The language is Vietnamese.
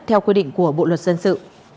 theo quy định của bộ luật dân sự